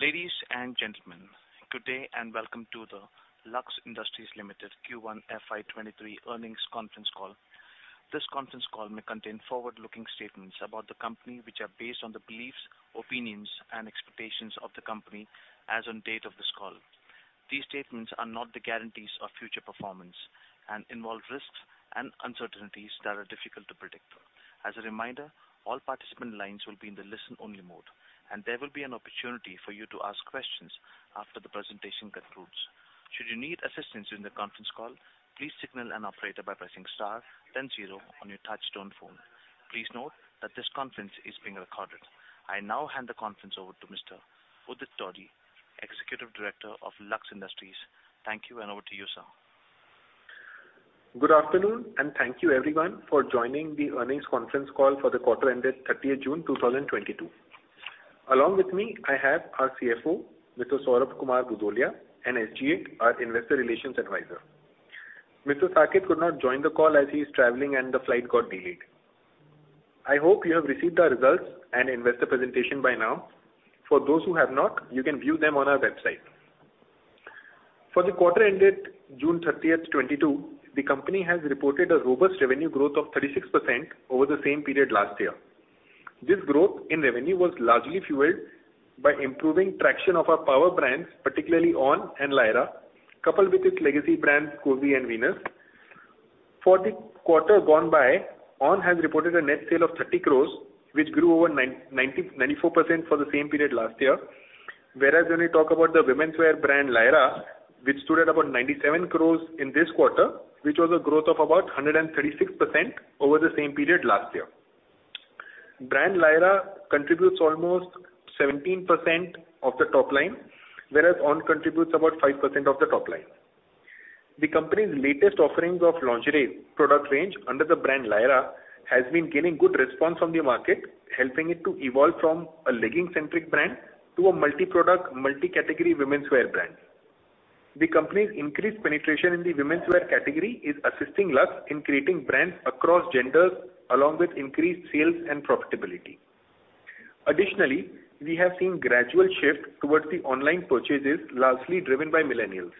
Ladies and gentlemen, good day, and welcome to the Lux Industries Limited Q1 FY23 earnings conference call. This conference call may contain forward-looking statements about the company, which are based on the beliefs, opinions, and expectations of the company as on date of this call. These statements are not the guarantees of future performance and involve risks and uncertainties that are difficult to predict. As a reminder, all participant lines will be in the listen-only mode, and there will be an opportunity for you to ask questions after the presentation concludes. Should you need assistance in the conference call, please signal an operator by pressing star then zero on your touchtone phone. Please note that this conference is being recorded. I now hand the conference over to Mr. Udit Todi, Executive Director of Lux Industries. Thank you, and over to you, sir. Good afternoon, and thank you everyone for joining the earnings conference call for the quarter ended 30th June 2022. Along with me, I have our CFO, Mr. Saurabh Kumar Bhudolia, and SGA, our investor relations advisor. Mr. Saket could not join the call as he is traveling and the flight got delayed. I hope you have received our results and investor presentation by now. For those who have not, you can view them on our website. For the quarter ended June 30th, 2022, the company has reported a robust revenue growth of 36% over the same period last year. This growth in revenue was largely fueled by improving traction of our power brands, particularly ONN and Lyra, coupled with its legacy brands, Cozi and Venus. For the quarter gone by, ONN has reported a net sale of 30 crore, which grew over 94% for the same period last year. When we talk about the women's wear brand Lyra, which stood at about 97 crore in this quarter, which was a growth of about 136% over the same period last year. Brand Lyra contributes almost 17% of the top line, whereas ONN contributes about 5% of the top line. The company's latest offerings of lingerie product range under the brand Lyra has been gaining good response from the market, helping it to evolve from a leggings-centric brand to a multi-product, multi-category women's wear brand. The company's increased penetration in the women's wear category is assisting Lux in creating brands across genders, along with increased sales and profitability. Additionally, we have seen gradual shift towards the online purchases, largely driven by millennials.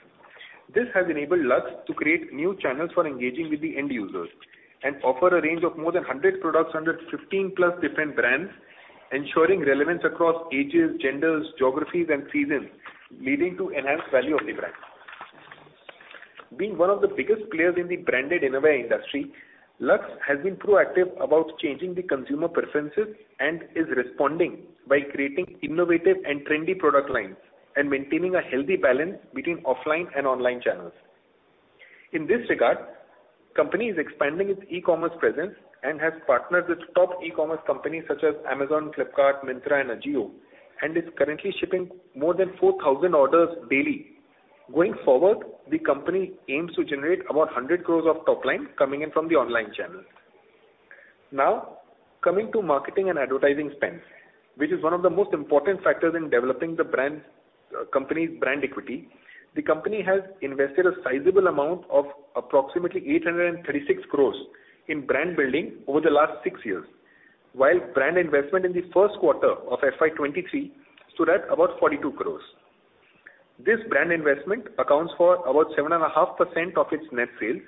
This has enabled Lux to create new channels for engaging with the end users and offer a range of more than 100 products under 15-plus different brands, ensuring relevance across ages, genders, geographies, and seasons, leading to enhanced value of the brand. Being one of the biggest players in the branded innerwear industry, Lux has been proactive about changing the consumer preferences and is responding by creating innovative and trendy product lines and maintaining a healthy balance between offline and online channels. In this regard, company is expanding its e-commerce presence and has partnered with top e-commerce companies such as Amazon, Flipkart, Myntra, and Ajio, and is currently shipping more than 4,000 orders daily. Going forward, the company aims to generate about 100 crores of top line coming in from the online channels. Now, coming to marketing and advertising spends, which is one of the most important factors in developing the brand's, company's brand equity. The company has invested a sizable amount of approximately 836 crore in brand building over the last six years, while brand investment in the first quarter of FY23 stood at about 42 crore. This brand investment accounts for about 7.5% of its net sales,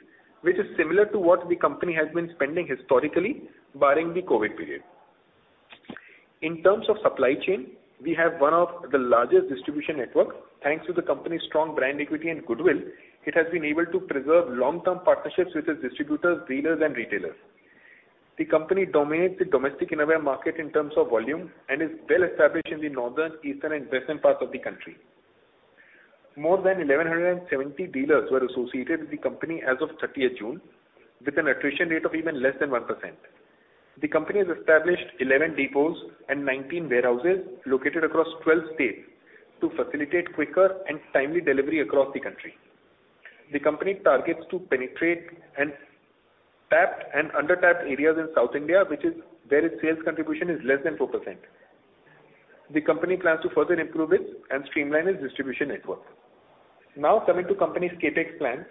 which is similar to what the company has been spending historically, barring the COVID period. In terms of supply chain, we have one of the largest distribution network. Thanks to the company's strong brand equity and goodwill, it has been able to preserve long-term partnerships with its distributors, dealers, and retailers. The company dominates the domestic innerwear market in terms of volume and is well-established in the northern, eastern, and western parts of the country. More than 1,170 dealers were associated with the company as of 30th June, with an attrition rate of even less than 1%. The company has established 11 depots and 19 warehouses located across 12 states to facilitate quicker and timely delivery across the country. The company targets to penetrate untapped and under-tapped areas in South India, which is where its sales contribution is less than 4%. The company plans to further improve it and streamline its distribution network. Now, coming to company's CapEx plans.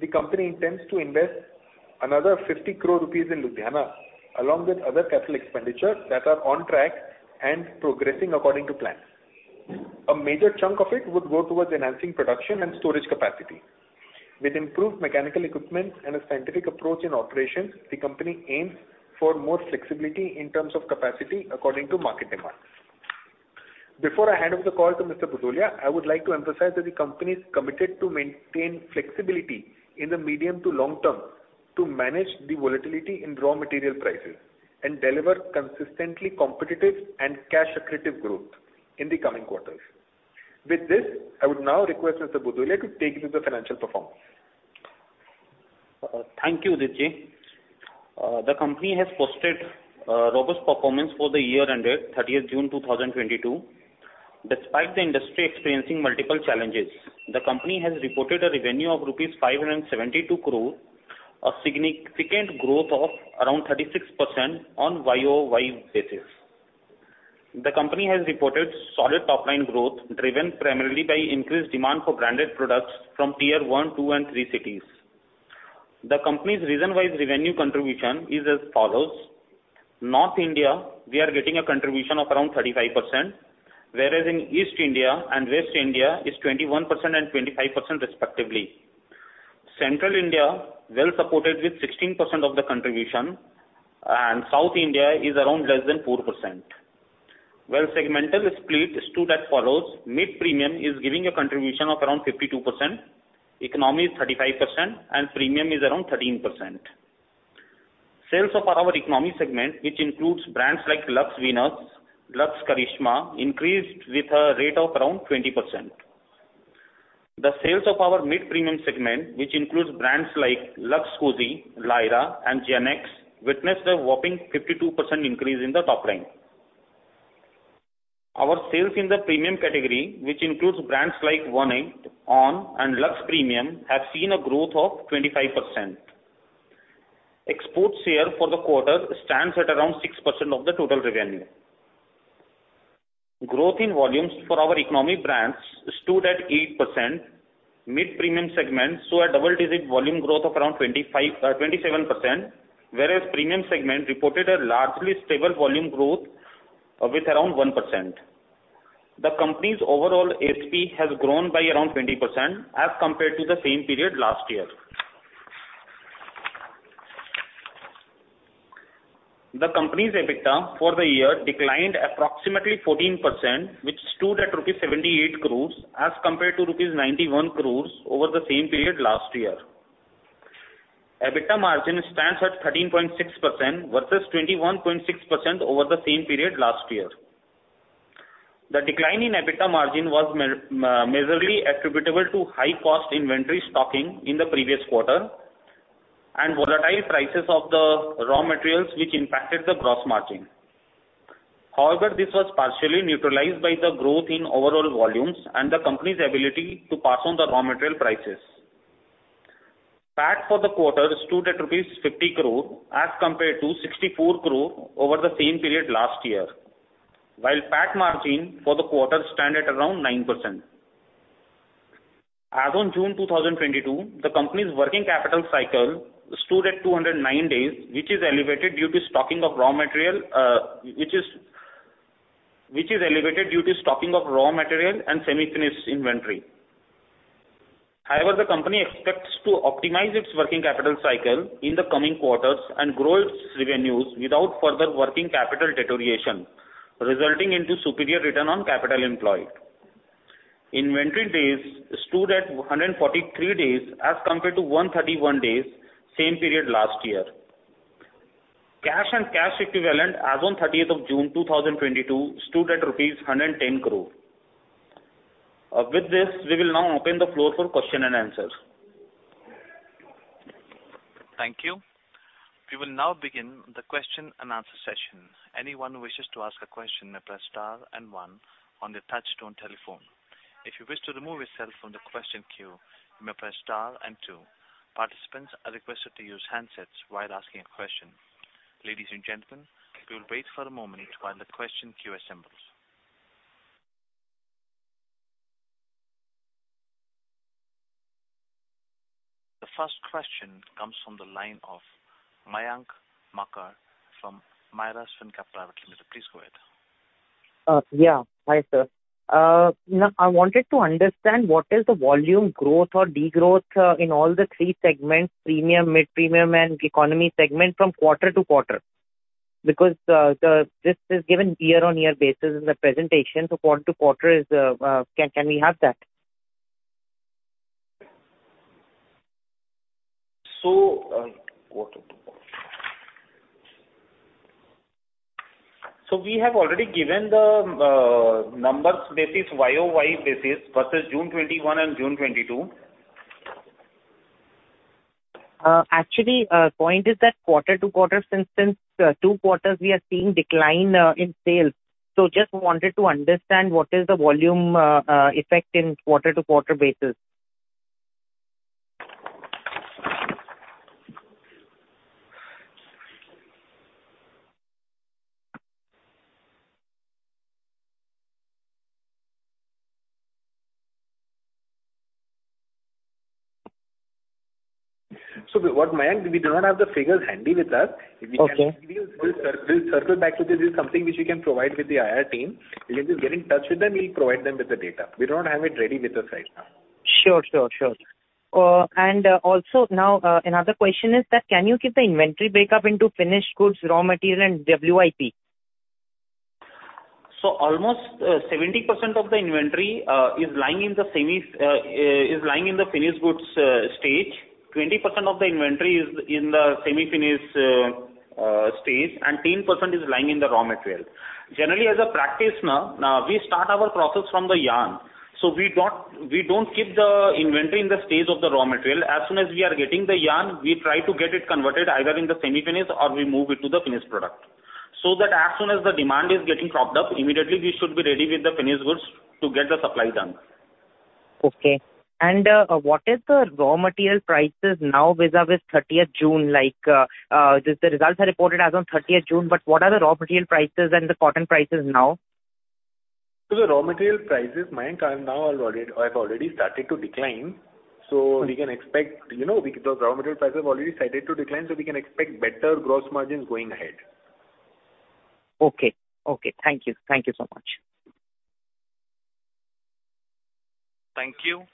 The company intends to invest another 50 crore rupees in Ludhiana, along with other capital expenditures that are on track and progressing according to plan. A major chunk of it would go towards enhancing production and storage capacity. With improved mechanical equipment and a scientific approach in operations, the company aims for more flexibility in terms of capacity according to market demands. Before I hand over the call to Mr. Bhudolia, I would like to emphasize that the company is committed to maintain flexibility in the medium to long term to manage the volatility in raw material prices and deliver consistently competitive and cash accretive growth in the coming quarters. With this, I would now request Mr. Bhudolia to take you through the financial performance. Thank you, Udit Ji. The company has posted robust performance for the year ended 30 June 2022. Despite the industry experiencing multiple challenges, the company has reported a revenue of rupees 572 crore, a significant growth of around 36% on Y-o-Y basis. The company has reported solid top-line growth driven primarily by increased demand for branded products from Tier 1, 2 and 3 cities. The company's region-wise revenue contribution is as follows. North India, we are getting a contribution of around 35%, whereas in East India and West India is 21% and 25% respectively. Central India, well supported with 16% of the contribution, and South India is around less than 4%. While segmental split stood as follows. Mid-premium is giving a contribution of around 52%, economy is 35% and premium is around 13%. Sales of our economy segment, which includes brands like Lux Venus, Lux Karishma, increased with a rate of around 20%. The sales of our mid-premium segment, which includes brands like Lux Cozi, Lyra and GenX, witnessed a whopping 52% increase in the top line. Our sales in the premium category, which includes brands like One8, ONN and Lux Premium, have seen a growth of 25%. Export sale for the quarter stands at around 6% of the total revenue. Growth in volumes for our economy brands stood at 8%. Mid-premium segments saw a double-digit volume growth of around 25, 27%, whereas premium segment reported a largely stable volume growth with around 1%. The company's overall ASP has grown by around 20% as compared to the same period last year. The company's EBITDA for the year declined approximately 14%, which stood at rupees 78 crores as compared to rupees 91 crores over the same period last year. EBITDA margin stands at 13.6% versus 21.6% over the same period last year. The decline in EBITDA margin was majorly attributable to high-cost inventory stocking in the previous quarter and volatile prices of the raw materials which impacted the gross margin. However, this was partially neutralized by the growth in overall volumes and the company's ability to pass on the raw material prices. PAT for the quarter stood at rupees 50 crore as compared to 64 crore over the same period last year, while PAT margin for the quarter stand at around 9%. As on June 2022, the company's working capital cycle stood at 209 days, which is elevated due to stocking of raw material and semi-finished inventory. However, the company expects to optimize its working capital cycle in the coming quarters and grow its revenues without further working capital deterioration, resulting into superior return on capital employed. Inventory days stood at 143 days as compared to 131 days same period last year. Cash and cash equivalents as on 30th June 2022 stood at rupees 110 crore. With this, we will now open the floor for questions and answers. Thank you. We will now begin the question and answer session. Anyone who wishes to ask a question may press star and one on their touchtone telephone. If you wish to remove yourself from the question queue, you may press star and two. Participants are requested to use handsets while asking a question. Ladies and gentlemen, we will wait for a moment while the question queue assembles. The first question comes from the line of Mayank Makkar from Mirae Asset Capital Markets. Please go ahead. Yeah. Hi, sir. You know, I wanted to understand what is the volume growth or degrowth in all the three segments, premium, mid-premium and economy segment from quarter-to-quarter. Because this is given year-on-year basis in the presentation, so quarter-to-quarter is, can we have that? Quarter-to-quarter. We have already given the numbers basis, YOY basis versus June 2021 and June 2022. Actually, point is that quarter-to-quarter since two quarters we are seeing decline in sales. Just wanted to understand what is the volume effect in quarter-to-quarter basis. Mayank, we do not have the figures handy with us. Okay. We'll circle back to this. This is something which we can provide with the IR team. You can just get in touch with them, we'll provide them with the data. We don't have it ready with us right now. Sure. Also now, another question is that, can you give the inventory breakup into finished goods, raw material and WIP? Almost 70% of the inventory is lying in the finished goods stage. 20% of the inventory is in the semi-finished stage, and 10% is lying in the raw material. Generally, as a practice, ma'am, we start our process from the yarn. We don't keep the inventory in the stage of the raw material. As soon as we are getting the yarn, we try to get it converted either in the semi-finished or we move it to the finished product. That as soon as the demand is getting propped up, immediately we should be ready with the finished goods to get the supply done. Okay. What is the raw material prices now vis-a-vis 30th June like, the results are reported as on thirtieth June, but what are the raw material prices and the cotton prices now? The raw material prices, Mayank, have already started to decline. We can expect, you know, the raw material prices have already started to decline, so we can expect better gross margins going ahead. Okay. Thank you. Thank you so much. Thank you.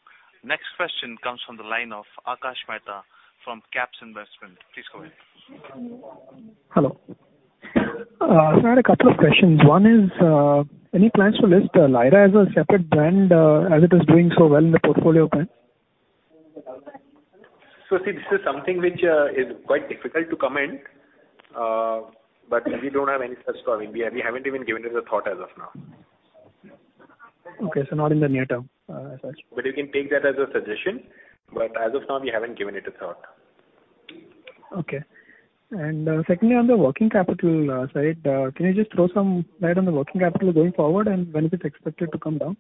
Next question comes from the line of Akash Mehta from CAPS Investment. Please go ahead. Hello. Sir, I had a couple of questions. One is, any plans to list Lyra as a separate brand, as it is doing so well in the portfolio brand? See, this is something which is quite difficult to comment, but we don't have any such planning. We haven't even given it a thought as of now. Okay. Not in the near term, as such. you can take that as a suggestion, but as of now, we haven't given it a thought. Okay. Secondly, on the working capital side, can you just throw some light on the working capital going forward and when it is expected to come down?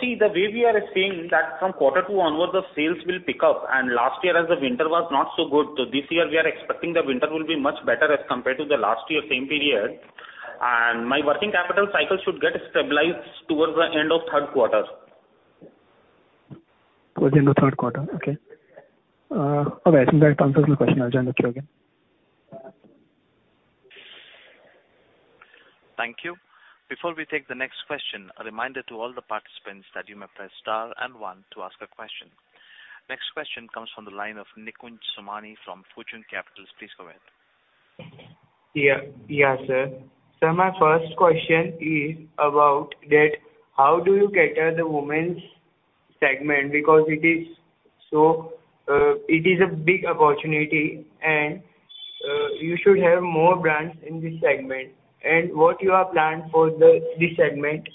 See, the way we are seeing that from quarter two onwards, the sales will pick up. Last year as the winter was not so good, so this year we are expecting the winter will be much better as compared to the last year same period. My working capital cycle should get stabilized towards the end of third quarter. Towards the end of third quarter. Okay. Okay. I think that answers my question. I'll join the queue again. Thank you. Before we take the next question, a reminder to all the participants that you may press star and one to ask a question. Next question comes from the line of Nikunj Somani from Fortune Capital. Please go ahead. Yeah, sir. Sir, my first question is about how do you cater to the women's segment? Because it is a big opportunity, and you should have more brands in this segment. What you have planned for this segment?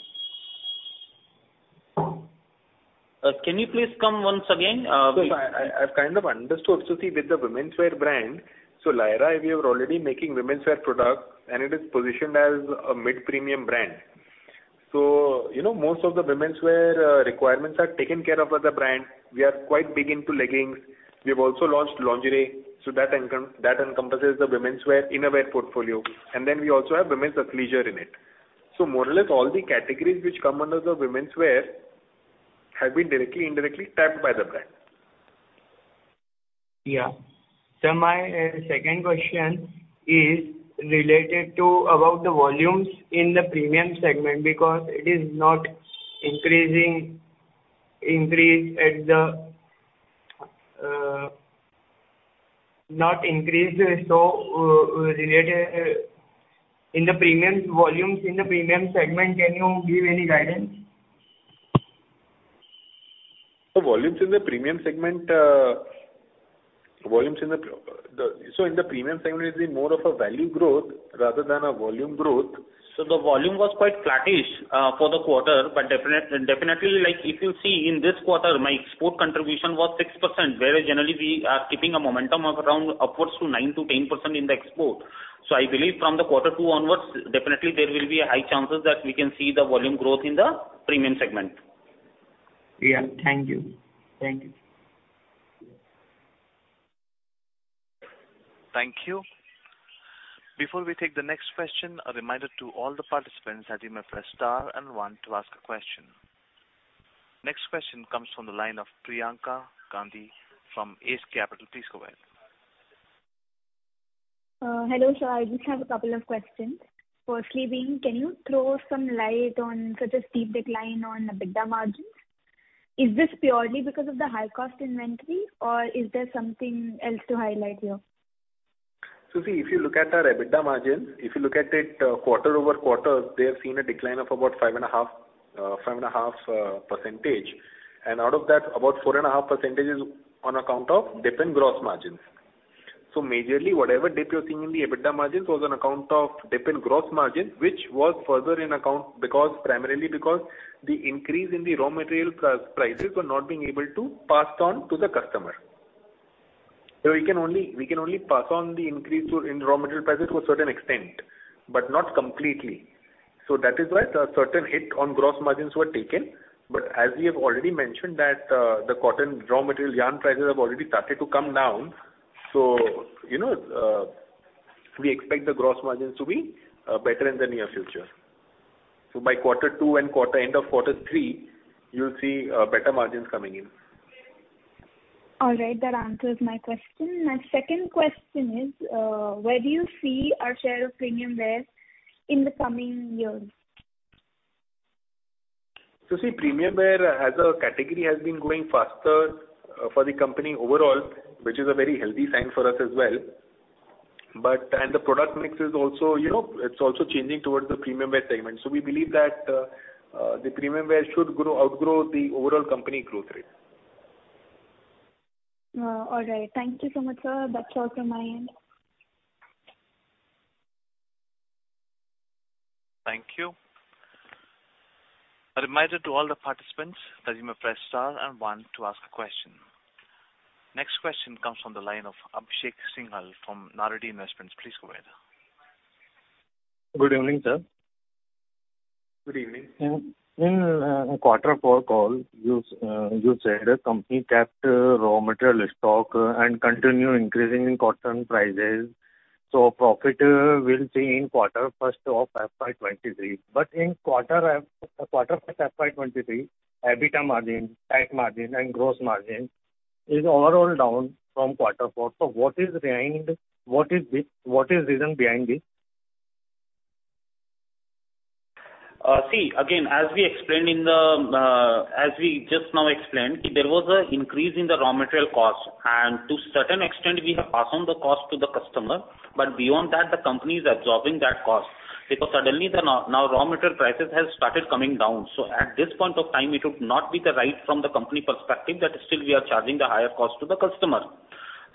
Can you please come once again? I've kind of understood. See with the womenswear brand, so Lyra, we are already making womenswear products, and it is positioned as a mid-premium brand. You know, most of the womenswear requirements are taken care of as a brand. We are quite big into leggings. We've also launched lingerie. That encompasses the womenswear in our innerwear portfolio. And then we also have women's athleisure in it. More or less all the categories which come under the womenswear have been directly, indirectly tapped by the brand. Yeah. Sir, my second question is related to the volumes in the premium segment because it is not increasing. Related to the premium volumes in the premium segment, can you give any guidance? The volumes in the premium segment is the more of a value growth rather than a volume growth. The volume was quite flattish for the quarter. Definitely like if you see in this quarter, my export contribution was 6%, whereas generally we are keeping a momentum of around upwards to 9%-10% in the export. I believe from the quarter two onwards, definitely there will be a high chances that we can see the volume growth in the premium segment. Yeah. Thank you. Thank you. Thank you. Before we take the next question, a reminder to all the participants that you may press star and one to ask a question. Next question comes from the line of Priyanka Gandhi from ACE Capital. Please go ahead. Hello, sir. I just have a couple of questions. Firstly being, can you throw some light on such a steep decline on EBITDA margins? Is this purely because of the high cost inventory or is there something else to highlight here? See if you look at our EBITDA margin, if you look at it, quarter-over-quarter, they have seen a decline of about 5.5%. Out of that, about 4.5% is on account of dip in gross margins. Majorly, whatever dip you're seeing in the EBITDA margins was on account of dip in gross margin, which was further on account because, primarily because the increase in the raw material prices were not being able to passed on to the customer. We can only pass on the increase in raw material prices to a certain extent, but not completely. That is why the certain hit on gross margins were taken. As we have already mentioned that, the cotton raw material yarn prices have already started to come down. You know, we expect the gross margins to be better in the near future. By quarter two and end of quarter three, you'll see better margins coming in. All right. That answers my question. My second question is, where do you see our share of premium wear in the coming years? See, premium wear as a category has been growing faster, for the company overall, which is a very healthy sign for us as well. The product mix is also, you know, it's also changing towards the premium wear segment. We believe that, the premium wear should grow, outgrow the overall company growth rate. All right. Thank you so much, sir. That's all from my end. Thank you. A reminder to all the participants that you may press star and one to ask a question. Next question comes from the line of Abhishek Singhal from Naredi Investments. Please go ahead. Good evening, sir. Good evening. In quarter four call, you said company kept raw material stock and continue increasing in cotton prices. Profit we'll see in quarter first of FY 2023. In quarter first FY23, EBITDA margin, PAT margin, and gross margin is overall down from quarter four. What is the reason behind this? See, again, as we just now explained, there was an increase in the raw material cost. To a certain extent, we have passed on the cost to the customer, but beyond that, the company is absorbing that cost. Suddenly, now, raw material prices have started coming down. At this point of time, it would not be the right from the company perspective that still we are charging the higher cost to the customer.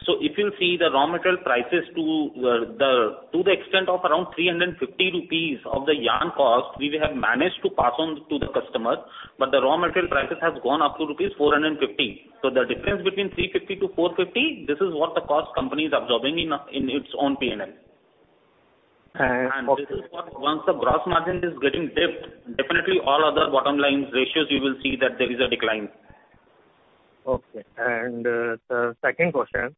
If you see the raw material prices to the extent of around 350 rupees of the yarn cost, we have managed to pass on to the customer, but the raw material prices have gone up to rupees 450. The difference between 350-450, this is the cost the company is absorbing in its own P&L. Okay. This is what once the gross margin is getting dipped, definitely all other bottom lines ratios you will see that there is a decline. Okay. The second question,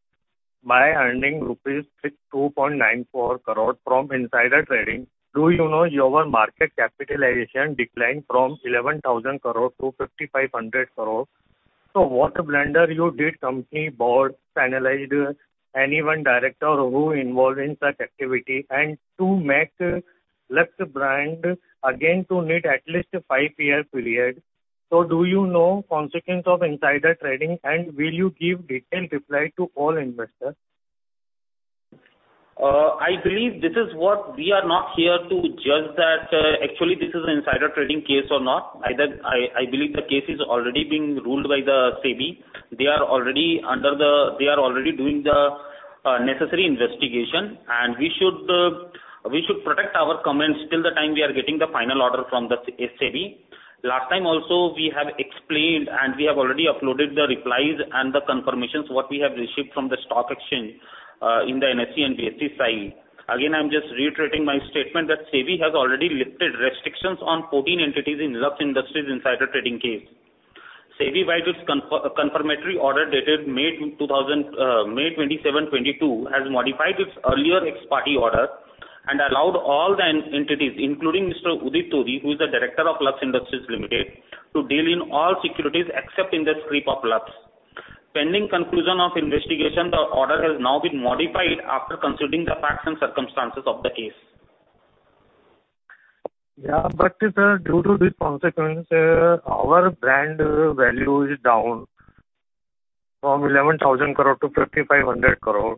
by earning rupees 2.94 crore from insider trading, do you know your market capitalization declined from 11,000 crore to 5,500 crore? What blunder you did company board finalized anyone director who involved in such activity and to make Lux brand again to need at least a five-year period. Do you know consequence of insider trading, and will you give detailed reply to all investors? I believe this is what we are not here to judge that, actually this is an insider trading case or not. Either I believe the case is already being ruled by the SEBI. They are already doing the necessary investigation. We should protect our comments till the time we are getting the final order from the SEBI. Last time also, we have explained, and we have already uploaded the replies and the confirmations what we have received from the stock exchange, in the NSE and BSE side. Again, I'm just reiterating my statement that SEBI has already lifted restrictions on 14 entities in Lux Industries insider trading case. SEBI, by this confirmatory order dated May 27, 2022, has modified its earlier ex-parte order and allowed all the entities, including Mr. Udit Todi, who is the director of Lux Industries Limited, to deal in all securities except in the scrip of Lux. Pending conclusion of investigation, the order has now been modified after considering the facts and circumstances of the case. Due to this consequence, our brand value is down from 11,000 crore to 5,500 crore.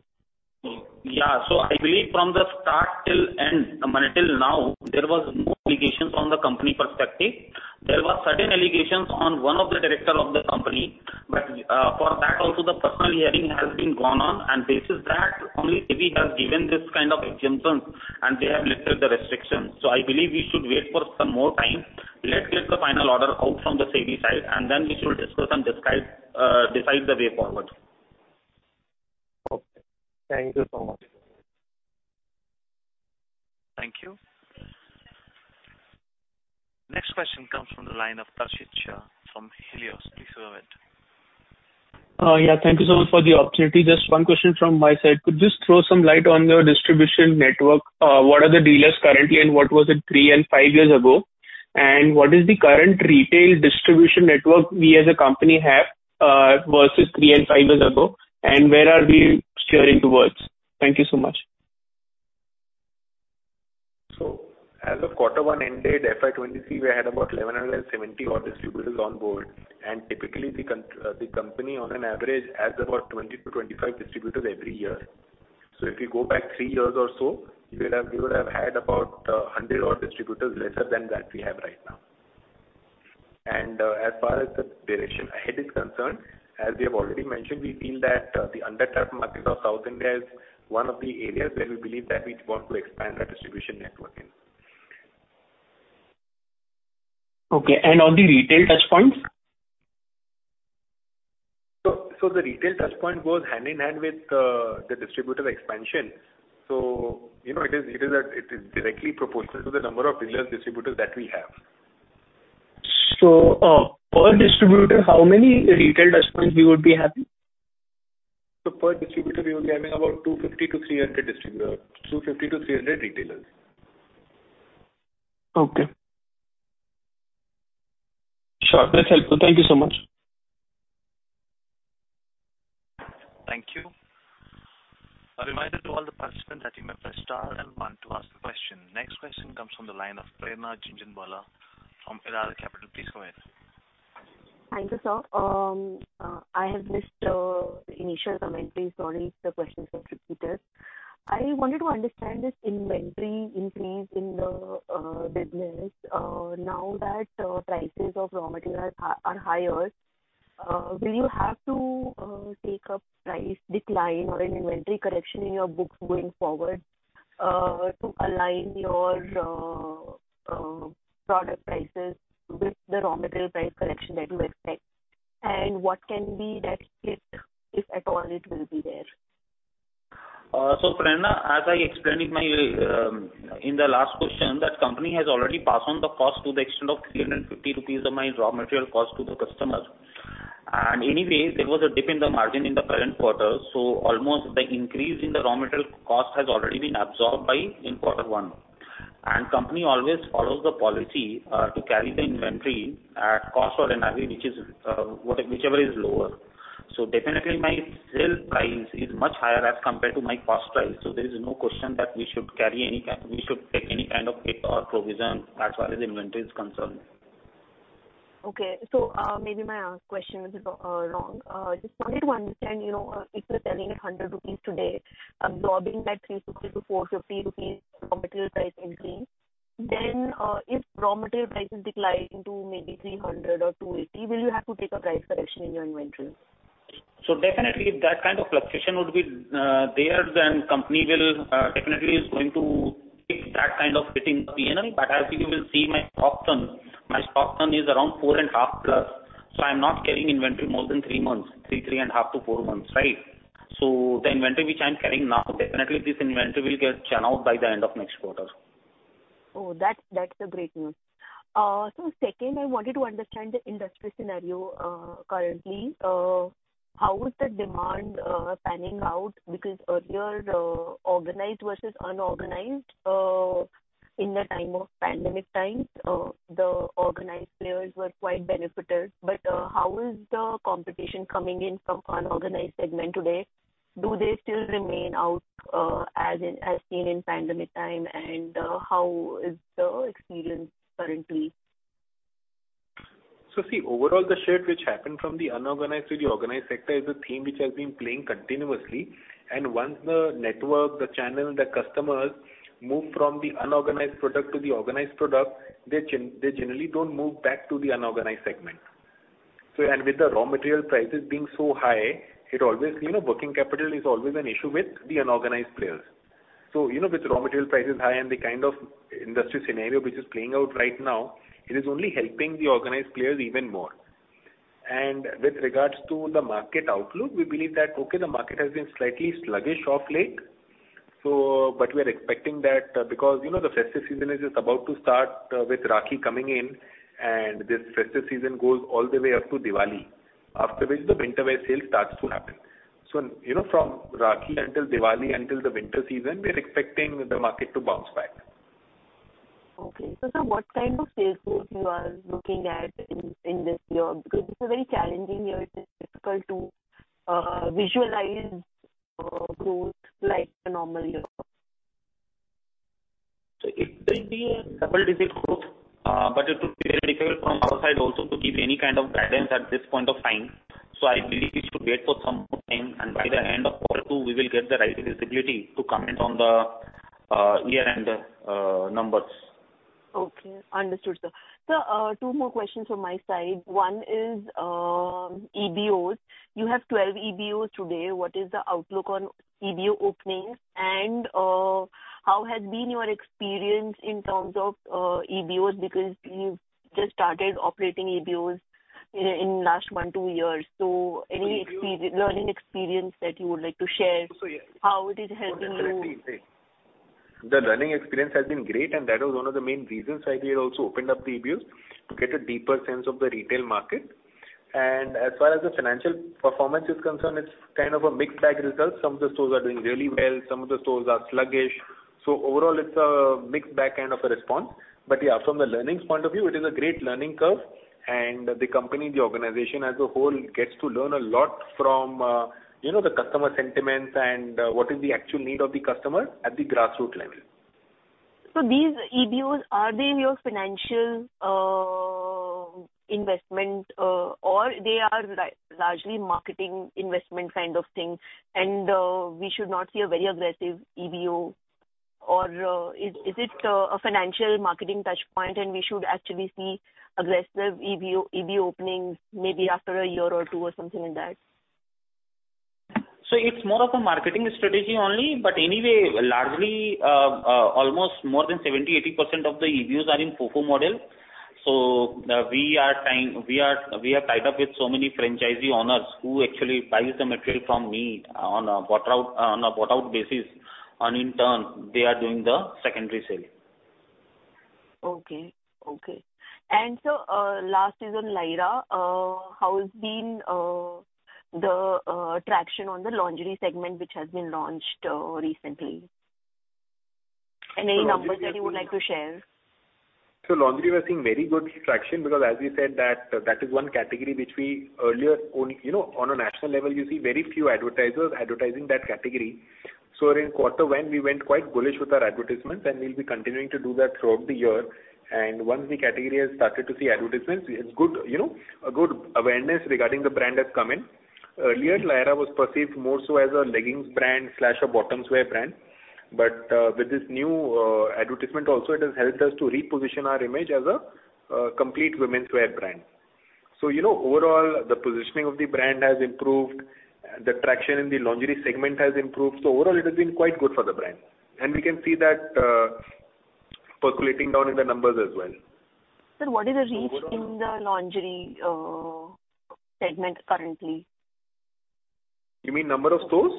Yeah. I believe from the start till now, there was no allegations on the company perspective. There was certain allegations on one of the director of the company. For that also the personal hearing has been gone on. Basis that only SEBI has given this kind of exemptions, and they have lifted the restrictions. I believe we should wait for some more time. Let's get the final order out from the SEBI side, and then we should discuss and decide the way forward. Okay. Thank you so much. Thank you. Next question comes from the line of Tashish Shah from Helios. Please go ahead. Yeah. Thank you so much for the opportunity. Just one question from my side. Could you just throw some light on your distribution network? What are the dealers currently and what was it three and five years ago? What is the current retail distribution network we as a company have, versus three and five years ago, and where are we steering towards? Thank you so much. As of quarter one ended FY 2023, we had about 1,170 odd distributors on board. Typically the company on an average adds about 20-25 distributors every year. If you go back three years or so, you would have had about 100 odd distributors lesser than that we have right now. As far as the direction ahead is concerned, as we have already mentioned, we feel that the undertapped markets of South India is one of the areas where we believe that we want to expand our distribution network in. Okay. On the retail touchpoints? The retail touchpoint goes hand in hand with the distributor expansion. You know, it is directly proportional to the number of dealers, distributors that we have. Per distributor, how many retail touchpoints you would be having? Per distributor, we were having about 250-300 retailers. Okay. Sure. That's helpful. Thank you so much. Thank you. A reminder to all the participants that you may press star and one to ask a question. Next question comes from the line of Prerna Jhunjhunwala from Elara Capital. Please go ahead. Thank you, sir. I have missed the initial comments. Sorry if the question is repeated. I wanted to understand this inventory increase in the business. Now that prices of raw material are higher, will you have to take a price decline or an inventory correction in your books going forward to align your product prices with the raw material price correction that you expect? What can be that hit, if at all it will be there? Prerna, as I explained in the last question, that company has already passed on the cost to the extent of 350 rupees of my raw material cost to the customers. Anyway, there was a dip in the margin in the current quarter, so almost the increase in the raw material cost has already been absorbed in quarter one. Company always follows the policy to carry the inventory at cost or NRV, which is whichever is lower. Definitely my sale price is much higher as compared to my cost price. There is no question that we should take any kind of hit or provision as far as inventory is concerned. Okay. Maybe my question is wrong. Just wanted to understand, you know, if you're selling at 100 rupees today, absorbing that 350-450 rupees raw material price increase, then, if raw material prices decline to maybe 300 or 280, will you have to take a price correction in your inventory? Definitely if that kind of fluctuation would be there, then company will definitely is going to take that kind of hitting P&L. But as you will see my stock turn is around 4.5+. I'm not carrying inventory more than three months, three and a half to four months, right? The inventory which I'm carrying now, definitely this inventory will get churned out by the end of next quarter. That's great news. Second, I wanted to understand the industry scenario currently. How is the demand panning out? Because earlier, organized versus unorganized, in the time of pandemic times, the organized players were quite benefited. How is the competition coming in from unorganized segment today? Do they still remain out, as in, as seen in pandemic time? How is the experience currently? See, overall the shift which happened from the unorganized to the organized sector is a theme which has been playing continuously. Once the network, the channel, the customers move from the unorganized product to the organized product, they generally don't move back to the unorganized segment. With the raw material prices being so high, it always you know, working capital is always an issue with the unorganized players. You know, with raw material prices high and the kind of industry scenario which is playing out right now, it is only helping the organized players even more. With regards to the market outlook, we believe that, okay, the market has been slightly sluggish off late. We are expecting that, because, you know, the festive season is just about to start, with Rakhi coming in, and this festive season goes all the way up to Diwali, after which the winter wear sale starts to happen. You know, from Rakhi until Diwali until the winter season, we are expecting the market to bounce back. Okay. Sir, what kind of sales growth you are looking at in this year? Because it's a very challenging year. It is difficult to visualize growth like a normal year. It will be a double-digit growth, but it will be very difficult from our side also to give any kind of guidance at this point of time. I believe we should wait for some more time, and by the end of quarter two, we will get the right visibility to comment on the year-end numbers. Okay. Understood, sir. Sir, two more questions from my side. One is, EBOs. You have 12 EBOs today. What is the outlook on EBO openings? And, how has been your experience in terms of, EBOs? Because you've just started operating EBOs in last one, two years. So any learning experience that you would like to share? How it is helping you? The learning experience has been great, and that was one of the main reasons why we had also opened up the EBOs to get a deeper sense of the retail market. As far as the financial performance is concerned, it's kind of a mixed bag result. Some of the stores are doing really well, some of the stores are sluggish. Overall, it's a mixed bag kind of a response. Yeah, from the learnings point of view, it is a great learning curve. The company, the organization as a whole gets to learn a lot from, you know, the customer sentiments and, what is the actual need of the customer at the grassroots level. These EBOs, are they your financial investment, or they are largely marketing investment kind of thing and we should not see a very aggressive EBO? Or, is it a financial marketing touch point and we should actually see aggressive EBO openings maybe after a year or two or something like that? It's more of a marketing strategy only, but anyway, largely, almost more than 70%-80% of the EBOs are in FoFo model. We have tied up with so many franchisee owners who actually buys the material from me on a bought out basis, and in turn they are doing the secondary sale. Okay. Sir, last is on Lyra. How has been the traction on the lingerie segment which has been launched recently? Any numbers that you would like to share? Lingerie we're seeing very good traction because as we said that is one category which we earlier only you know on a national level you see very few advertisers advertising that category. In quarter one we went quite bullish with our advertisements, and we'll be continuing to do that throughout the year. Once the category has started to see advertisements, it's good, you know, a good awareness regarding the brand has come in. Earlier, Lyra was perceived more so as a leggings brand slash a bottom wear brand. With this new advertisement also it has helped us to reposition our image as a complete womenswear brand. You know, overall the positioning of the brand has improved. The traction in the lingerie segment has improved. Overall, it has been quite good for the brand. We can see that, percolating down in the numbers as well. Sir, what is the reach in the lingerie segment currently? You mean number of stores?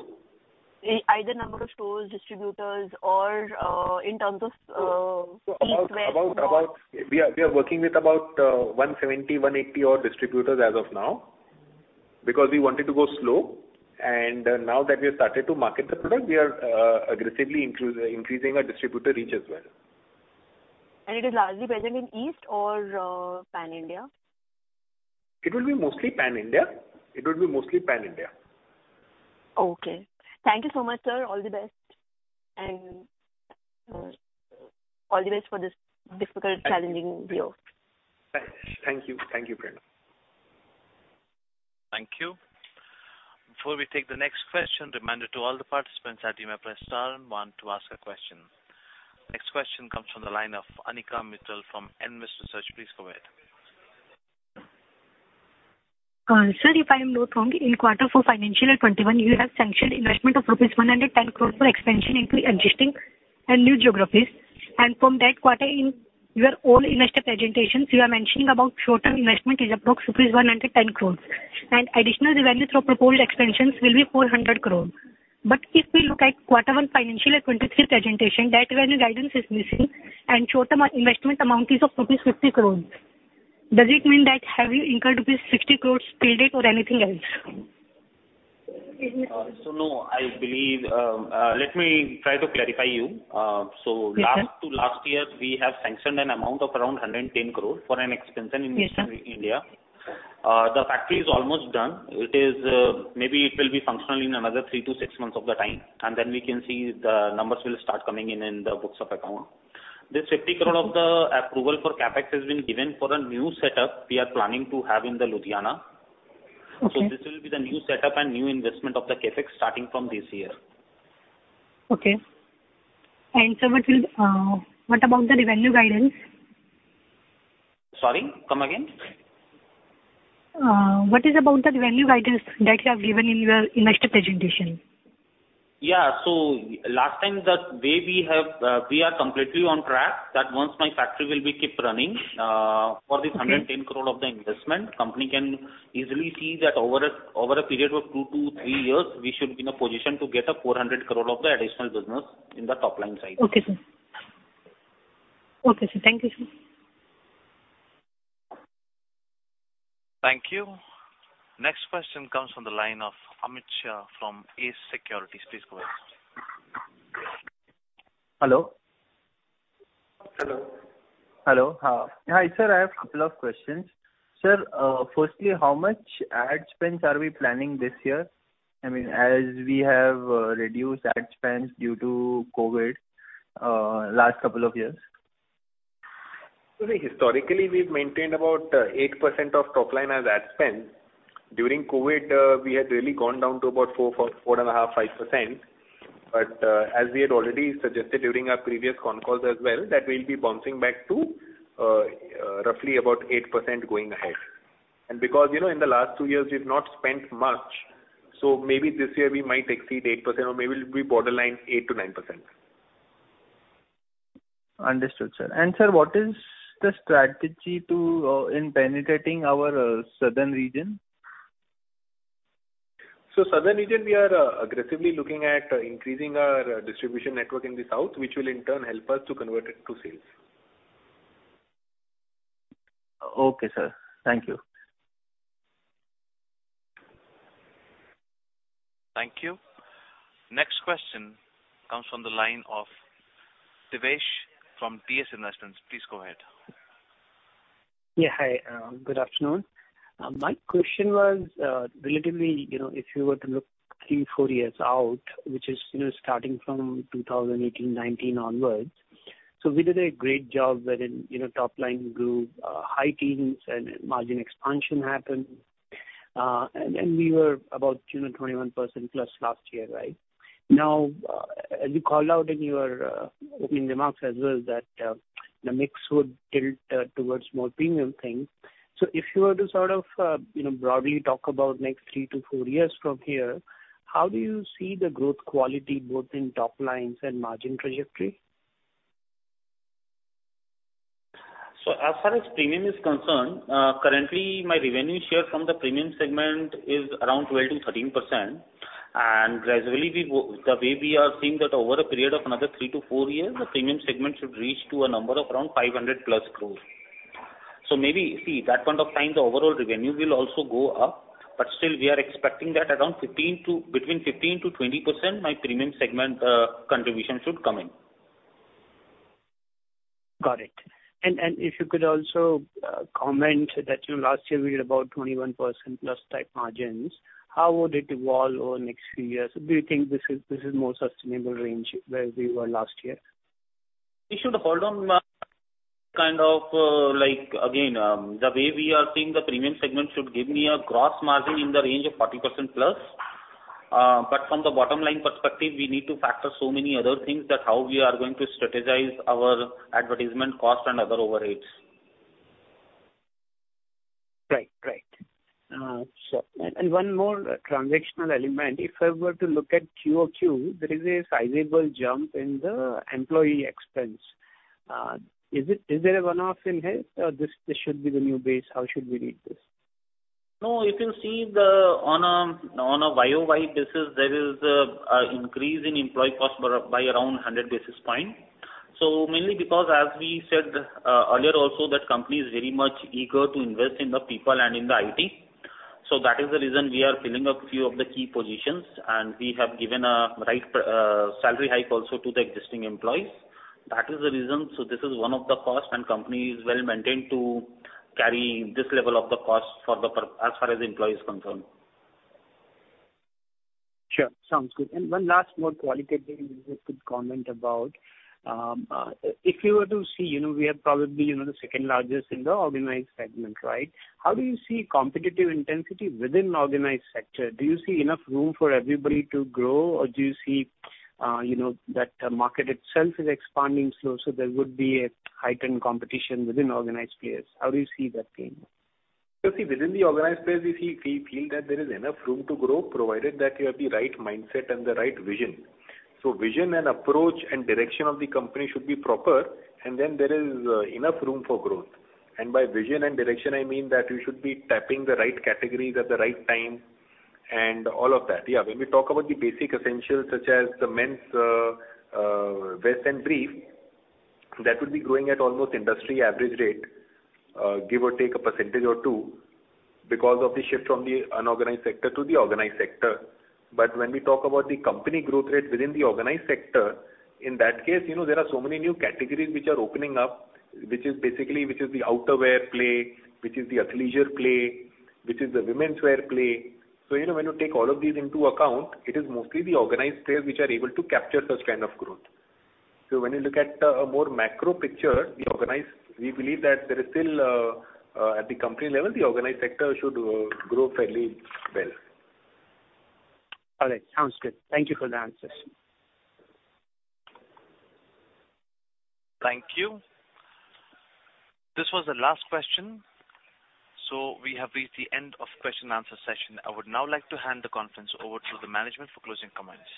Either number of stores, distributors, or, in terms of, fees- We are working with about 170-180 odd distributors as of now, because we wanted to go slow. Now that we have started to market the product, we are aggressively increasing our distributor reach as well. It is largely present in East or Pan India? It will be mostly Pan India. Okay. Thank you so much, sir. All the best and all the best for this difficult challenging year. Thank you. Thank you, Priya. Thank you. Before we take the next question, reminder to all the participants, Sir, if I am not wrong, in Q4 FY 2021, you have sanctioned investment of INR 110 crore for expansion into existing and new geographies. From that quarter in your all investor presentations, you are mentioning about short-term investment is approx rupees 110 crore. Additional revenue through proposed expansions will be 400 crore. If we look at Q1 FY 2023 presentation, that revenue guidance is missing and short-term investment amount is of rupees 50 crore. Does it mean that have you incurred rupees 60 crore pre-date or anything else? No, I believe, let me try to clarify you. Yes, sir. Last to last year, we have sanctioned an amount of around 110 crores for an expansion in East and in India. The factory is almost done. It is maybe it will be functional in another 3-6 months of the time, and then we can see the numbers will start coming in in the books of account. This 50 crores of the approval for CapEx has been given for a new setup we are planning to have in the Ludhiana. Okay. This will be the new setup and new investment of the CapEx starting from this year. Okay. Sir, what about the revenue guidance? Sorry, come again. What about the revenue guidance that you have given in your investor presentation? Yeah. Last time, the way we have, we are completely on track, that once my factory will be keep running. Okay. For this 110 crore of the investment, company can easily see that over a period of 2-3 years, we should be in a position to get 400 crore of the additional business in the top-line side. Okay, sir. Okay, sir. Thank you, sir. Thank you. Next question comes from the line of Amit Shah from ACE Securities. Please go ahead. Hello? Hello. Hello. Hi, sir, I have couple of questions. Sir, firstly, how much ad spends are we planning this year? I mean, as we have reduced ad spends due to COVID, last couple of years. Historically, we've maintained about 8% of top line as ad spend. During COVID, we had really gone down to about 4.5%. As we had already suggested during our previous con calls as well, that we'll be bouncing back to roughly about 8% going ahead. Because, you know, in the last two years, we've not spent much, so maybe this year we might exceed 8% or maybe it'll be borderline 8%-9%. Understood, sir. Sir, what is the strategy in penetrating our southern region? Southern region, we are aggressively looking at increasing our distribution network in the south, which will in turn help us to convert it to sales. Okay, sir. Thank you. Thank you. Next question comes from the line of Divesh from BS Investments. Please go ahead. Yeah. Hi, good afternoon. My question was, relatively, you know, if you were to look three, four years out, which is, you know, starting from 2018, 2019 onwards. We did a great job within, you know, top line grew high teens% and margin expansion happened. We were about 21%+ last year, right? Mm-hmm. Now, as you called out in your opening remarks as well that the mix would tilt towards more premium things. If you were to sort of you know broadly talk about next 3-4 years from here, how do you see the growth quality both in top lines and margin trajectory? As far as premium is concerned, currently my revenue share from the premium segment is around 12%-13%. Gradually the way we are seeing that over a period of another 3-4 years, the premium segment should reach to a number of around 500+ crores. Maybe, see, that point of time, the overall revenue will also go up, but still we are expecting that around 15 to, between 15-20%, my premium segment contribution should come in. Got it. If you could also comment that, you know, last year we had about 21% plus type margins, how would it evolve over next few years? Do you think this is more sustainable range where we were last year? Like, again, the way we are seeing the premium segment should give me a gross margin in the range of 40% plus. From the bottom line perspective, we need to factor so many other things that how we are going to strategize our advertisement cost and other overheads. Right. One more transactional element. If I were to look at QOQ, there is a sizable jump in the employee expense. Is there a one-off in here or this should be the new base? How should we read this? No, if you see the ONN, on a YoY basis, there is an increase in employee cost by around 100 basis points. Mainly because as we said earlier also, that company is very much eager to invest in the people and in the IT. That is the reason we are filling up a few of the key positions, and we have given a right salary hike also to the existing employees. That is the reason. This is one of the costs, and company is well maintained to carry this level of the cost as far as the employee is concerned. Sure. Sounds good. One last more qualitative if you could comment about, if you were to see, you know, we are probably, you know, the second-largest in the organized segment, right? How do you see competitive intensity within organized sector? Do you see enough room for everybody to grow? Or do you see, you know, that market itself is expanding slow, so there would be a heightened competition within organized players? How do you see that playing out? You see, within the organized players, we feel that there is enough room to grow, provided that you have the right mindset and the right vision. Vision and approach and direction of the company should be proper and then there is enough room for growth. By vision and direction, I mean that you should be tapping the right categories at the right time and all of that. Yeah, when we talk about the basic essentials such as the men's vest and brief, that will be growing at almost industry average rate, give or take a percentage or two because of the shift from the unorganized sector to the organized sector. When we talk about the company growth rate within the organized sector, in that case, you know, there are so many new categories which are opening up, which is the outerwear play, which is the athleisure play, which is the women's wear play. You know, when you take all of these into account, it is mostly the organized players which are able to capture such kind of growth. When you look at a more macro picture, the organized, we believe that there is still, at the company level, the organized sector should grow fairly well. All right. Sounds good. Thank you for the answers. Thank you. This was the last question, so we have reached the end of question and answer session. I would now like to hand the conference over to the management for closing comments.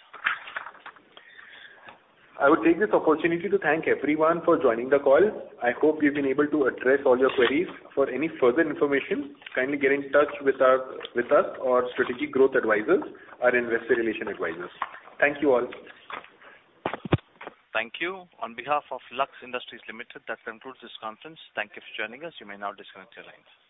I would take this opportunity to thank everyone for joining the call. I hope we've been able to address all your queries. For any further information, kindly get in touch with us or Strategic Growth Advisors, our investor relations advisors. Thank you all. Thank you. On behalf of Lux Industries Limited, that concludes this conference. Thank you for joining us. You may now disconnect your lines.